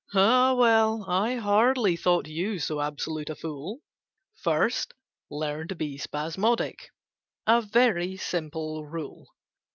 Ah, well! I hardly thought you So absolute a fool. First learn to be spasmodic— A very simple rule.